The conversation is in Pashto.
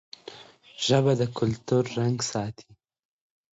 ژبه د کلتور رنګ ساتي.